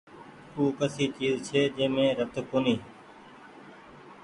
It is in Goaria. او ڪسي چئيز ڇي جي مين رت ڪونيٚ ۔